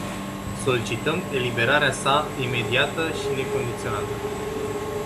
Solicităm eliberarea sa imediată și necondiționată.